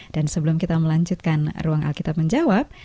dan sebelum kita melanjutkan ruang alkitab menjawab